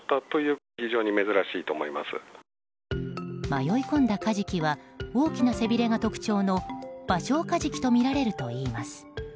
迷い込んだカジキは大きな背びれが特徴のバショウカジキとみられるといいます。